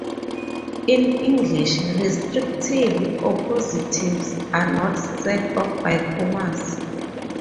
In English, restrictive appositives are not set off by commas.